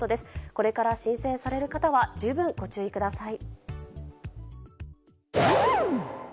これから申請される方は、十分ご注意ください。